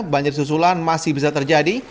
banjir susulan masih bisa terjadi